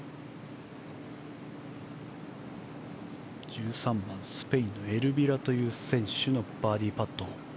１３番、スペインのエルビラという選手のバーディーパット。